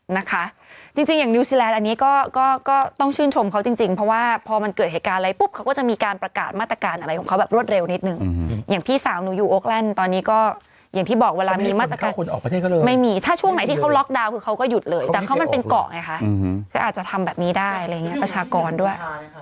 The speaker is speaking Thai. นะคะจริงอย่างนิวซีแลนด์อันนี้ก็ก็ต้องชื่นชมเขาจริงจริงเพราะว่าพอมันเกิดเหตุการณ์อะไรปุ๊บเขาก็จะมีการประกาศมาตรการอะไรของเขาแบบรวดเร็วนิดนึงอย่างพี่สาวหนูอยู่โอคแลนด์ตอนนี้ก็อย่างที่บอกเวลามีมาตรการไม่มีถ้าช่วงไหนที่เขาล็อกดาวน์คือเขาก็หยุดเลยแต่เขามันเป็นเกาะไงคะก็อาจจะทำแบบนี้ได้อะไรอย่างเงี้ประชากรด้วย